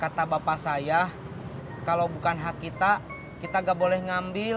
kata bapak saya kalau bukan hak kita kita gak boleh ngambil